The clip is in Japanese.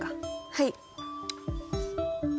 はい。